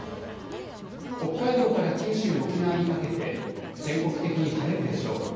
北海道から九州・沖縄にかけて全国的に晴れるでしょう。